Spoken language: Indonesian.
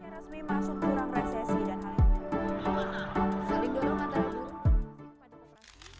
rasmi masuk kurang resesi dan hal ini